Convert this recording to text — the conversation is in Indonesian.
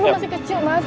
luluh masih kecil mas